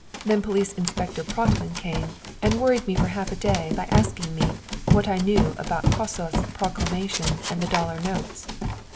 Then Police inspector Prottman came and worried me for half a day by asking me what I knew about Kossuth's proclamation and the dollar notes.